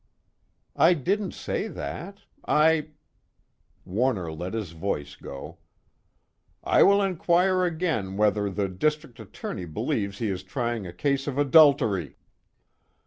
"I didn't say that. I " Warner let his voice go: "I will inquire again whether the District Attorney believes he is trying a case of adultery."